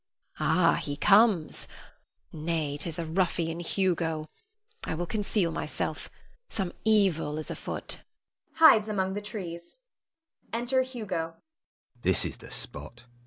Ah, he comes, nay, 'tis the ruffian Hugo. I will conceal myself, some evil is afoot [hides among the trees]. [Enter Hugo. Hugo. This is the spot.